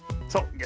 そう。